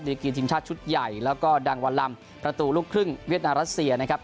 กีทีมชาติชุดใหญ่แล้วก็ดังวันลำประตูลูกครึ่งเวียดนามรัสเซียนะครับ